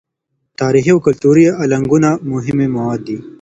تاریخي او کلتوري الانګونه مهمې مواد دي.